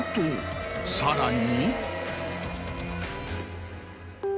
さらに。